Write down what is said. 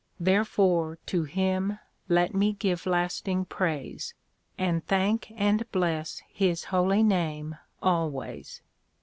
Therefore to him let me give lasting praise, And thank and bless his holy name always.